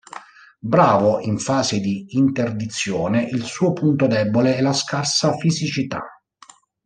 Bravo in fase di interdizione, il suo punto debole è la scarsa fisicità.